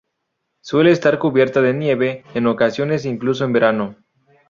Suele estar cubierta de nieve, en ocasiones incluso en verano.